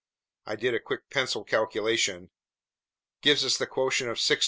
I did a quick pencil calculation. "... gives us the quotient of 625.